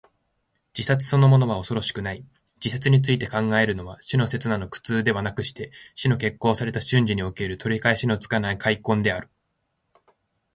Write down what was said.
自殺そのものは恐ろしくない。自殺について考えるのは、死の刹那の苦痛ではなくして、死の決行された瞬時における、取り返しのつかない悔恨である。